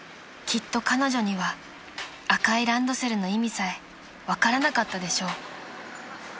［きっと彼女には赤いランドセルの意味さえ分からなかったでしょう］